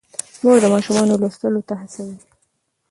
مور د ماشومانو لوستلو ته هڅوي.